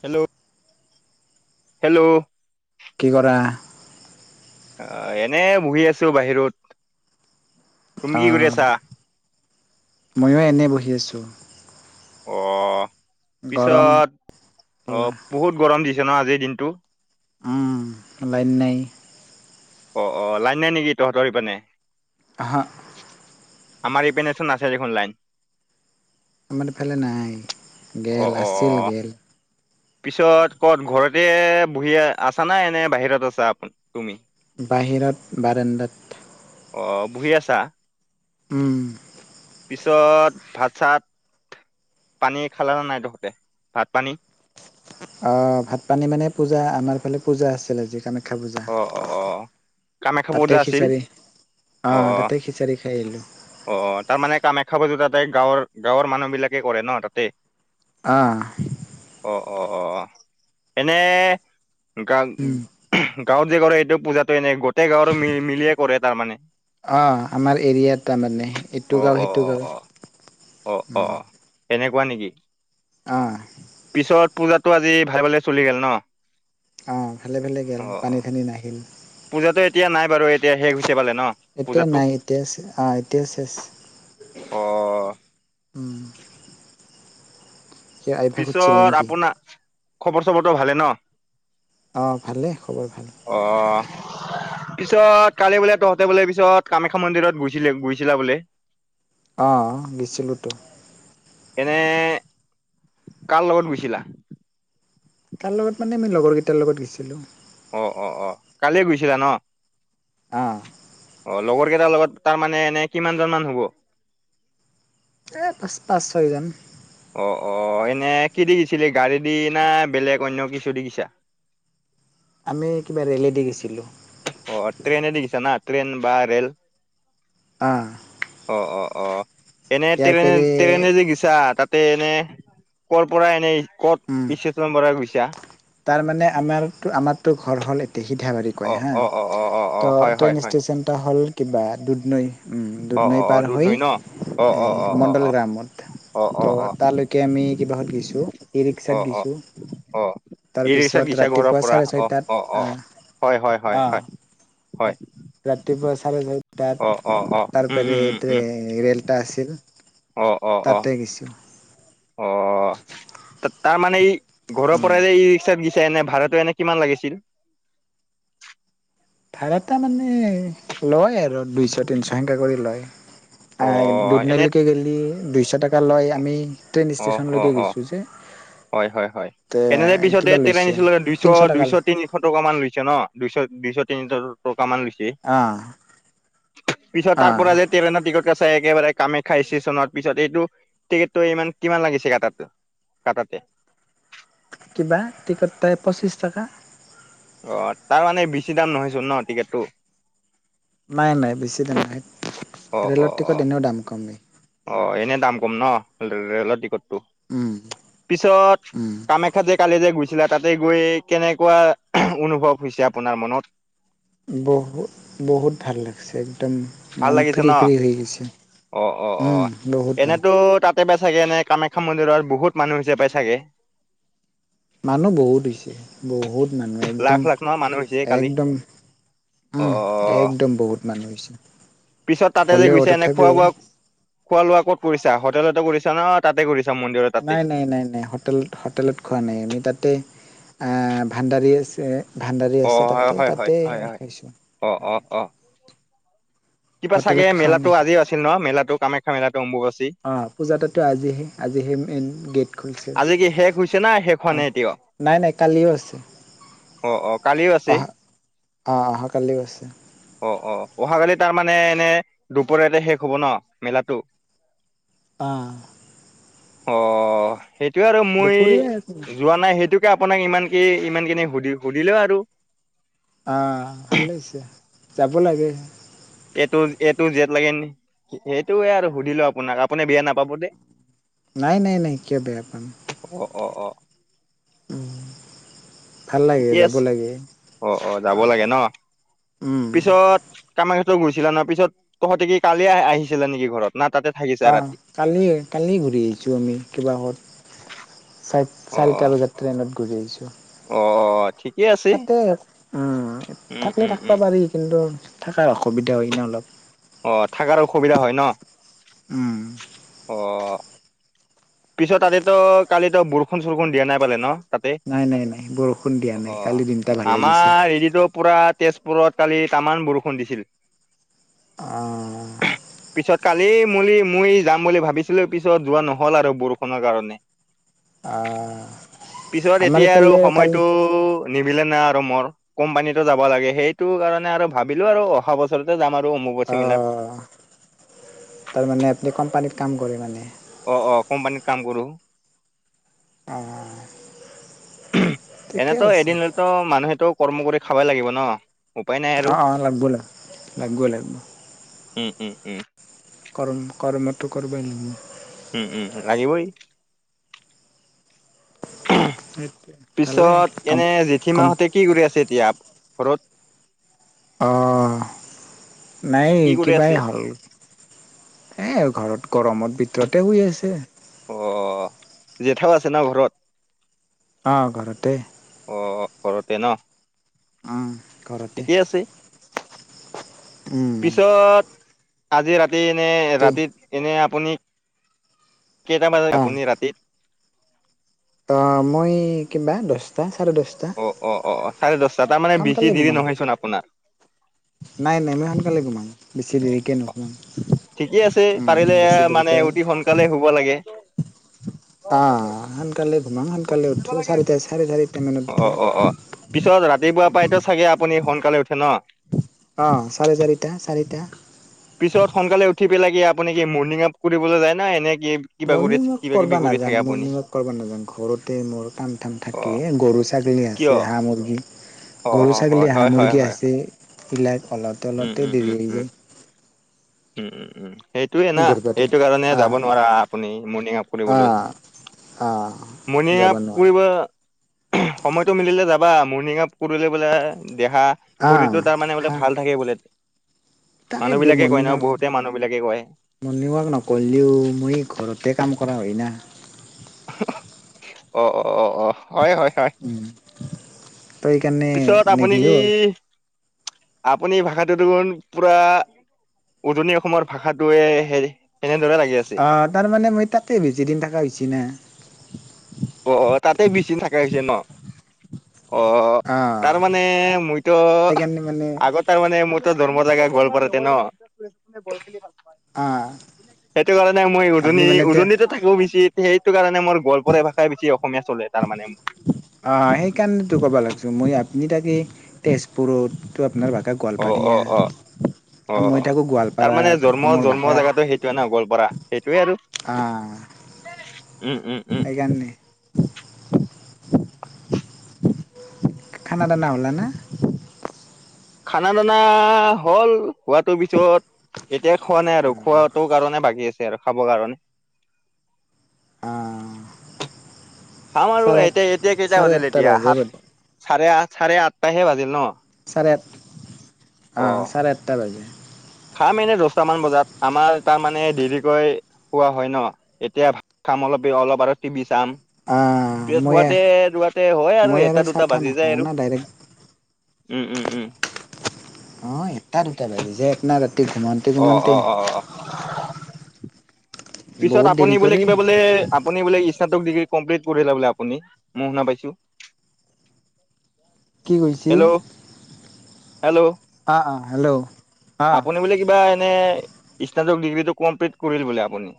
Hello hello! কি কৰা? আহ, এনে বহি আছো বাহিৰত। তুমি কি কৰি আছা অ'! মইয়ো এনে বহি আছোঁ। অ'! গৰম পিছত, অ'! বহুত গৰম দি ন আজিৰ দিনতটো। লাইন নাই। অ অ লাইন নাই নেকি তহঁতৰ ইপানে? আহা আমাৰ ইপেনেচোন আছে দেখুন লাইন। আমাৰফালে নাই অ গেল, অ অ আছিল, গেল। পিছত ক'ত ঘৰতে বুহি আছা নাই এনে বাহিৰত আছা আপ তুমি? বাহিৰত বাৰাণ্ডাত। অ', বহি আছা। উম। পিছত ভাত চাত পানী খালা নে নাই তহঁতে, ভাত পানী? অ' ভাত পানী মানে পূজা আমাৰ ফালে পূজা আছিলে। সেই কাৰণে খালোঁ অ অ অ যাৰ, কামাখ্যা পূজা তাতে আছিল খিচাৰি অ' তাতে খিচাৰি খাই আহিলোঁ। অ' তাৰ মানে কামাখ্যা পজো তাতে গাঁৱৰ গাঁৱৰ মানুহ বিলাকে কৰে ন তাতে অহ' অ' অ' অ' এনে গা উম গাঁৱত যে কৰে, এইটো পূজাটো এনেই গোটেই গাঁৱৰে মি মিলিয়ে কৰে তাৰ মানে। অ' আমাৰ এৰিয়াৰ তাৰমানে এইটো অ গাওঁ, অ সেইটো অ অ গাওঁ। কোৱা নেকি? আহ পূজাতটো আজি ভালে ভালে চলি গ'ল ন। অ' ভালে ভালে গ'ল, অ পানী ঠানী নাহিল। পূজাটো এতিয়া নাই বাৰু এতিয়া শেষ হৈছে। পালে ন এতিয়া পূজাটো নাই, এতিয়া ছে আহ এতিয়া চেছ। অ উম। কিয় আভ্যাস উঠিছিলে পিছত নেকি? আপোনা খবৰ চবৰটো ভালে ন। অ' ভালেই, খবৰ ভাল। অ পিছত কালি বোলে তহঁতে বোলে পিছত কামাখ্যা মন্দিৰত গৈছিল গৈছিলা বোলে। অ' গেছিলোটো। এনে কাৰ লগত গৈছিলা। কাৰ লগত মানে আমি লগৰ কেইটাৰ লগত গৈছিলোঁ। অ' অ' অ' কালিয়ে গৈছিলা ন। অহ' অ লগৰ কেইটাৰ লগত তাৰ মানে এনে কিমান জন মান হ'ব। এই পাঁচটা, ছয়জন। অ' অ' এনে কি দি গিছিলি গাড়ী দি না বেলেগ অন্য কিছু দি গিছা। [unintelligible] আমি কিবা ৰেলে দি গৈছিলোঁ। অ' ট্ৰেইনে দি গিছা না ট্ৰেইন বা ৰে'ল। আহ অ' অ' অ' এনে ট্ৰেনে ট্ৰেনে যে গিছা তাত তাতে এনে, কৰ পৰা এনেই, ক'ত [unintelligible] গৈছা? তাৰ মানে আমাৰো আমাৰতো ঘৰ হ'ল এ সিথাবাৰী কয় অ হা অ অ অ অ অ তো হয় হয় ট্ৰেইন হয় ষ্টেচন এটা হ'ল কিবা দুধনৈ। অ দুধনৈ অ অ পাৰ দুধ হৈ নৈ ন অ অ এই অ অ মণ্ডল অ গ্ৰামত। অ অ তো অ তালৈকে আমি কিবাহত গৈছোঁ, ই-ৰিক্সাত অ গৈছোঁ। অ অ ই ৰিক্সাত তাৰপিছত গৈছা ঘৰৰ ৰাতিপুৱা পৰা চাৰে অ ছয়টাত অ অ হয় হয় হয় অ' হয় হয় অ'। ৰাতিপুৱা চাৰে অ অ অ চাৰটাত উম তাৰপা উম উম উম ৰেলটা আছে। অ' অ' অ' অহ' তা তাৰমানে এই ঘৰৰ পৰাই যে ই ৰিক্সাত গিছা এনে ভাড়াটো এনে কিমান লাগিছিল। ভাড়াটা মানে লয় আৰু দুইশ তিনশ সেনেকাকে কৰি লয়। অ আহ এনে দুধনৈলৈকে গেলি দুইশ টকা। কে লয়। আমি ট্ৰেইন ষ্টেচনলৈকে গৈছোঁ যে। হয়-হয়-হয়, তে তেনেদ পিছতে কিবা তেনে লৈছে নিছিল তিনিশ টকা দুইশ-দুইশ তিনিশ টকা মান লৈছে ন দুইশ-দুইশ। তিন টকা মান লিখি অঁ পিছত তাৰ অঁ পৰা যে টৰেনৰ টিকট ক ত একেবাৰে কামাখ্যা ষ্টেচনৰ পিছত এইটো টিকেটটো ইমান কিমান লাগিছে গে তাতো কাটাতে কিবা টিকটটা পঁচিছ টকা, অ' তাৰ মানে বেছি দাম নহয়চোন ন টিকেটটো। নাই-নাই বেছি দাম নাই অ অ ৰে'লৰ অ টিকট এনেও দাম কম নেকি? অ, এনে দাম কম ন ৰে - ৰেলৰ টিকট উম পিছত উম কামাখ্যা যে কালি যে গু গৈছিলে তাতে গৈ কেনেকুৱা অনুভৱ হৈছে আপোনাৰ মনত। বহুত-বহুত ভাল লাগছে। একদম ভাল মন লাগিছে ন? ফ্ৰী-ফ্ৰী হৈ গৈছে অ' অ' অ'। বহুত ভাল। এনেতো তাতে পাই চাগে এ কামাখ্যা মন্দিৰত বহুত মানুহ হৈছে পায় চাগে মানুহ বহুত হৈছে বহুত মানুহ লাখ লাখ ন মানুহ হৈছে কালি? একদম-একদম অ' উম, অ' অ একদম বহুত মানুহ হৈছে। পিছত তাতে যে হ'লেও গুৰিছে এনে খোৱা তথাপিও বোৱা খোৱা লোৱা ক'ত কৰিছা হোটেলতে কৰিছা ন তাতে কৰিছা। মন্দিৰৰ তাতে? নাই-নাই-নাই-নাই হেল হোটেলত খোৱা নাই আমি তাতে ভাণ্ডাৰী আছ অ' হয়-হয়-হয়-হয়-হয়, খাইছোঁ অ-অ-অ, হোটেলত খাৱা নাই আজিও আছিল ন? মেলাটো কামাখ্যা মেলাটো অম্বুবাচী। অহ পূজাতো আজিহে আজি যি হেই মেইন গেট খুলিছে আজি কি শেষ হৈছে না শেষ হোৱা নাই নাই-নাই কালিও আছে। অ-অ কালিও আছে। আহ-আহ কালিও আছে। অ-অ অহাকালি তাৰ মানে এনে দুপৰীয়াতে শেষ হ'ব ন মেলাটো। অ', অ' সেইটোৱে আৰু মই দুপৰীয়া যোৱা নাই সেইটোকে আপোনাক ইমান ইমান কেিননে সুধি- সুধিলে আৰু। অহ ভাল হৈছে যাব লাগে। এইটো-এইটো জেট লাগে সেইটোয়ে আৰু সুধিলো আপোনাক আপুনি বেয়া নাপাব দেই। নাই-নাই-নাই কিয় বেয়া পাম। অ-অ, উম ভাল লাগে ঠিকেই যাব আছে লাগে অ-অ যাব লাগে ন। উম পিছত কামাখ্যা টো ঘুৰিছিলা ন পিছত তহঁতে কি কালি আহিছিলা নেকি ঘৰত না তাতে থাকিছা আহ ৰাতি কালি-কালি ঘূৰি আহিছো আমি কিবা হত অ চাৰিটা বজাত ট্ৰেইনত ঘূৰি আহিছো। অ', ঠিকে আছে তাতে উ উম থাকিলে উম উম থাকিবা পাৰি কিন্তু। থকাৰ অসুবিধা হয় না অলপ। অ থাকাৰ অসুবিধা হয় উম ন অ', পিছত তাতে তো কালিতো বৰষুণ-চৰষুণ দিয়া নাই পালে ন তাতে নাই নাই নাই বৰষুণ দিয়া নাই অ', কালি দিনটা ভালে গৈছে আমাৰ হেৰিতো পুৰা তেজপুৰত কালি তামান বৰষুণ দিছিল। পিছত অহ, কালি মলি মই যাম বুলি ভাবিছিলো পিছত যোৱা নহল আৰু বৰষুণৰ কাৰণে। অ পিছত আমাৰ এতিয়া আৰু এইফালে কালি সময়তটো নিমিলে না আৰু মৰ কোম্পানীতো যাব লাগে সেইটো কাৰণে আৰু ভাবিলো আৰু অহা বছৰতে যাম। আৰু অম্বুবাচী মেলাত অ' তাৰমানে আপুনি কোম্পানীত কাম কৰে মানে। অ-অ কোম্পানীত কাম কৰোঁ। অ ঠিকে এনেতো আছে এদিনতো মানুহেতো কৰ্ম কৰি খাবাই লাগিব ন। উপায় নাই অ আৰু - অ লাগিব- লাগিব - লাগিব - লাগিব। উম - উম - উম। কৰ্ম - কৰ্মতটো কৰিব লাগিব। উম - উম আহিবই। সেইটোৱে ভালে পিছত কাম এনে জেঠী কাম মাহতে কি কৰি আছে এতিয়া। ঘৰত অ', নাই কি কৰি কিবাই আছে হ'ল এ আৰু ঘৰত গৰমত ভিতৰতে শুই আছে। অ, জেঠাও আছে না ঘৰত। অ, ঘৰতে। অ, ঘৰতে ন। উম ঘৰতে ঠিকেই আছে উম পিছত আজি ৰাতি। এনে কি ৰাতিত এনে আপুনি কেইটা বজাত আপুনি ৰাতিত অ, মই কিবা দহটা। চাৰে দহটা অ - অ - অ চাৰে দহটা তাৰ মানে বেছি সোনকালে দেৰি ঘোমাম নহয়চোন আপোনাৰ। নাই নেমি সোনকালে ঘোমাম বেছি দেৰিকে নুঘোমাম। ঠিকে আছে উম পাৰিলে বেছি মানে অতি সোনকালে হুব লাগে। আহ, সকালে ঘোমাম সকালে উঠো চ চাৰে চাৰিটা মানত অ উঠো। অ অ পিছত ৰাতিপুৱা প্ৰাইতো চাগে আপুনি সোনকালে উঠে ন। অ, চাৰে চাৰিটা - চাৰিটা। পিছত সোনকালে উঠি পেলাই কি আপুনি কি মৰ্ণিং ৱাক কৰিবলৈ যায় না এনে কি কিবা কৰি মৰ্ণিং ৱাক কিবা কিবি কৰিবা কৰি থাকে নাযাও আপুনি মৰ্ণিং ৱাক কৰিবা নাজাও ঘৰতে মোৰ কাম টাম অ থাকে গৰু গৰু ছাগলী কিয় আছে হাহ মুৰ্গী অ গৰু হয় ছাগলী হাহ হয় হয় মুৰ্গী হয় হয়। আছে। এইবিলাক অলতে উম অলতে - উম - উম দেৰি হৈ - উম যায় - উম - উম। উম, সেইটোয়ে না গৰবাটো সেইটো কাৰণে আ যাব নোৱাৰা আপুনি মৰ্ণিং ৱক আ কৰিবলৈ। আ মৰ্ণিং যাব ৱাক কৰিব নোৱাৰা সময়তটো মিলিলে যাবা মৰ্ণিং ৱাক কৰিলে বোলে। দেহা আ শৰীৰটো তাৰমানানে হা বোলে ভাল থাকে বোলে। মানুহ তাকেতো বিলাকে কয় মৰ্ণিং ন ৱাক, বহুতে মানুহ বিলাকে কয় মৰ্ণিং ৱাক নকৰিলেও মই ঘৰতে কাম কৰা হয় না। অ- অ - অ - অ, হয়- হয়- হয়। উম তই সেইকাৰণে পিছত আপুনি নেগিলেও কি হয় আপুনি ভাষাটো দেখোন পুৰা উজনি অসমৰ ভাষটোয়ে হে তেনে অ, তাৰমানানে মই তাাকেই বেজিদিন থকাছি না। অ - অ তাতে বিচি থাকা হৈছে ন অ, অ তাৰ মানে মইতো সেইকাৰণে মানে আগত তাৰ মানে মইতো ধৰ্ম জাগা গল পাৰতে ন। গ অ সেইটো কাৰণে মই আপুনি উজনি মানে তে উজননিতো থাকো বচিত সেইটো কাৰণে। মানে মোৰ গোৱলপৰীয়া ভাষাই বেছি অসমীয়া চলে তাৰ মানে। অ, সেইকাৰণো ক'ব লাগিছিল মই আপুনি তাকে তেজপুৰত। আপোনাৰ ভাষা অ অ অ গোৱালপাৰীয়া। অ আৰু অ মই থাকো তাৰ মানে গোৱালপাৰাত জন্ম অমৰ জন্ম ভাষা জেগাটো সেইটোৱে ন গোৱালপাৰা সেইটোৱে আৰু আহ উম উম উম সেইকাৰণে। খানা টনা হল না। খানা টানা হ'ল হোৱাটো পিছত এতিয়া খোৱা নাই আৰু খোৱাটো কাৰণে বাকী আছে আৰু খাব কাৰণে। আহ খাম আৰু চাৰে এতিয়া - এতিয়া কেইটা চাৰে বাজিল আঠটা এতিয়া বাজে ব সাত চাৰে আঠ- চাৰে আঠটাহে বাজিল ন। চাৰে আঠ অ, অ চাৰে আঠটা বাজে। খাম এনে দহটামান বজাত আমাৰ তাৰ মানে দেৰিকৈ খোৱা হয় ন এতিয়া ভাত খাম। অলপ বে অলপ আৰু তিবিস যাম অ', প মই হোৱাতে ৰুৱতে হয় আৰু মই এটা চাহ দুটা তাহ বাজি যায় নাখাওঁ আৰু না ডাইৰেক্ট উ, উ, উ। অ' এটা দুটা বাজি যায় আপোনাৰ ৰাতি ঘোমাওতে অ ঘোমনতে। অ অ অ পিছত আপুনি দেৰি বোলে, কৰে কিবা বোলে, আপুনি বোলে স্নাতক ডিগ্ৰী কমপ্লিট কৰিলা বোলে আপুনি মই শুনা পাইছোঁ। কি কৈছি? হেল্ল' অ', আপুনি বোলে কিবা এনে স্নাতক ডিগ্ৰীটো কমপ্লিট কৰিল বোলে আপুনি।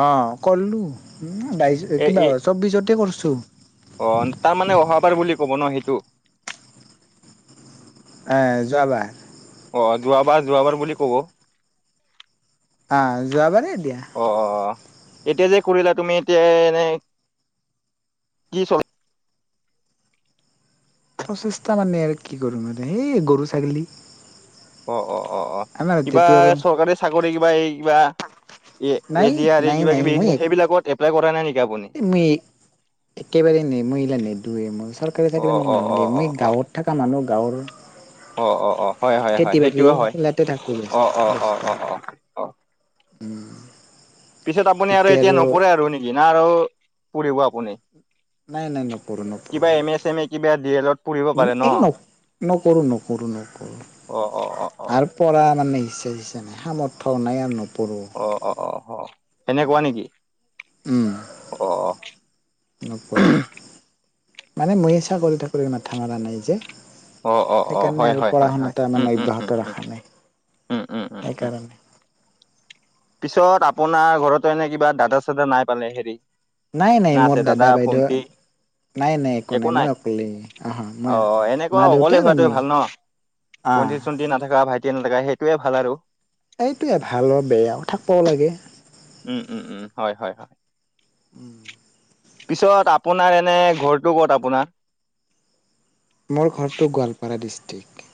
অ' কৰিলোঁ। বাইছ এ এ কিবা চৌবিছতে কৰছোঁ। অ' তাৰমানে অহাবাৰ বুলি কব ন হেটো? আ যোৱাবাৰ। অ' যোৱাবাৰ, যোৱাবাৰ বুলি ক'ব। অ' যোৱাবাৰে দিয়া অ', অ', অ'। এতিয়া যে কৰিলা তুমি এতিয়া এনে কি চল প্ৰচেষ্টা মানে আৰু কি কৰিম মান হেই গৰু ছাগেলী। অ', অ', অ', অ' কিবা চৰকাৰী চাকৰি কিবা এই কিবা এ নাই এডিয়াৰী নাই কিবা নাই কিবি মই এক হে-হেবিলাকত এপ্লাই কৰা নাই নেকি আপুনি? মই একেবাৰে নেমুইলা নেদুয়ে মই। চৰকাৰে অ চাকৰি মোক অ অ নালগে। অ মই গাঁৱত থকা মানুহ গাঁৱৰ, অ অ অ অ হয় হয় হয় খেতি বাতি সেইটোও হয় খিলাতে থাকো অ ব্যস্ত, অ অ ব্যস্ত। অ অ অ উম। পিছত আপুনি আৰু এতিয়া নপঢ়ে আৰু নেকি না আৰু পঢ়িব আপুনি? নাই নাই নকৰো নকৰো কিবা এম এছ, এম এ কিবা ডিয়েলত পঢ়িব পাৰে ন? নকৰোঁ, নকৰোঁ, নকৰোঁ অ অ অ অ আৰু পঢ়া মানে পইচা চইছা নাই, সামৰ্থ নাই আৰু নপ অ', অ', অ', অ' সেনেকুৱা নেকি? উম অ', অ'। নকৰোঁ। মানে মই চাকৰি ঠাকুৰি মাথা মাৰা নাই যে। অ অ অ অ সেইকাৰণে হয় আৰু হয় পঢ়া হয় শুনা তামানে মানে অব্যাহত ৰাখা নাই। উ, উ, উ, সেইকাৰণে উ। পিছত আপোনাৰ ঘৰতো এনে কিবা দাদা চাদা নাই পালে হেৰি। নাই নাই না মোৰ আছে দাদা বাইদেউ ভন্টি নাই, নাই একো নাই মই অকলে অ' মই মা দেউতা অকলে আৰু হোৱাটোৱে মই ভাল ন? আহ ভণ্টি চণ্টি নাথাকা, ভাইটি নাথাকা হেইটোয়ে ভাল আৰু। এইটোৱে ভাল অ' বেয়াও থাকব লাগে। উ, উ, উ, হয়, হয়, হয়। উ। পিছত আপোনাৰ এনে ঘৰটো ক'ত আপোনাৰ? মোৰ ঘৰটো গোৱালপাৰা ডিষ্ট্ৰিক।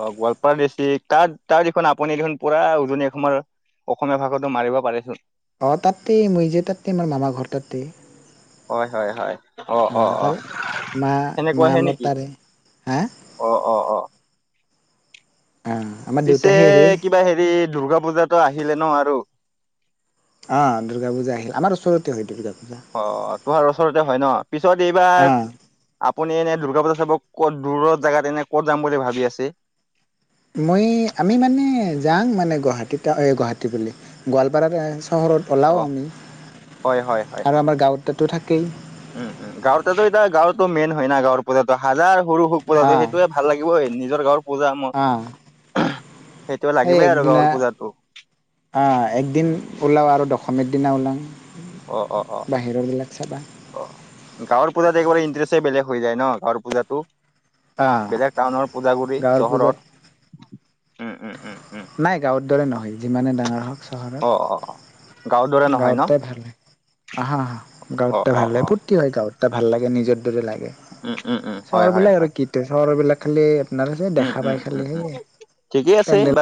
অ' গোৱালপাৰা দিষ্ট্ৰিক, তাত তাৰ দেখোন আপুনি দেখোন পুৰা উজনি অসমৰ অসমীয়া ভাষাটো মাৰিব পাৰিছোঁ। অ' তাতেই, মই যে তাতেই, মাৰ মামাৰ ঘৰ তাতেই। হয়, হয়, হয়, অ', অ', অ' মা সেনেকুৱা মা হে মোৰ নেকি? তাৰে হা অ', অ', অ'। অ আমাৰ দেউতা পিছে সেই হেৰি কিবা হেৰি দুৰ্গা পূজাটো আহিলে ন আৰু। অ' দুৰ্গা পূজা আহিল। আমাৰ ওচৰতে হয় দুৰ্গা পূজা অ' তোহাৰ ওচৰতে হয় ন? পিছত এইবাৰ অ আপ আপুনি এনে দূৰ্গা পূজা চাবক ক'ত দূৰৰ জেগাত এনে ক'ত যাম বুলি ভাবি আছে। মই, আমি মানে যাং মানে গুৱাহাটীত, অ' গুৱাহাটী বোলে গোৱালপাৰালৈ আ চহৰত ওলাওঁ অ আমি। হয়, হয়, হয়, আৰু হয়। আমাৰ গাঁৱততো থাকেই উম, উম, গাঁৱৰতাতো এতিয়া গাঁৱতো মেইন। হয় না গাঁৱৰপূজাটো হাজাৰ সৰু হওঁক পূজাতটো, হা সেইটোয়ে ভাল লাগিবই নিজৰ গাঁৱৰ। পূজা মই হা সেই একদিনা এ, একদিন ওলাও আৰু দশমীৰ দিনা অ অ অ ওলাও। বাহিৰৰ বিলাক চাবা। অ গাঁৱৰ পূজাতো একবাৰে ইন্টাৰেষ্টে বেলেগ হৈ যায় ন গাঁৱৰ পূজাতো? আহ বেলেগ টাউনৰ পূজাগুৰি গাঁৱৰ পূজাত চহৰত। নাই, গাঁৱৰ দৰে নহয়, যিমানে ডাঙৰ হওঁক। অ' অ' গাঁৱৰ দৰে নহয় ন গাঁৱতে ভাল হয় আহা-আহা অ গাঁৱততে অ ভালে অ ফূৰ্তী হয়। গাঁৱততে ভাল লাগে নিজৰ লাগে উম উম উম চহৰ হয় হয় বিলাক আৰু হয় কি চহৰ বিলাক খালি উম দেখা পাই উম খালি উম উম সেয়ে ঠিকেই আছে পেণ্ডল বা